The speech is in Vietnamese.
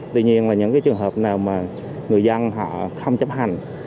tuy nhiên là những cái trường hợp nào mà người dân họ không chấp hành